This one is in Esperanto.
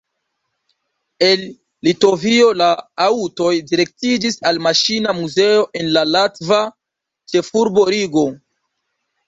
El Litovio la aŭtoj direktiĝis al maŝina muzeo en latva ĉefurbo Rigo.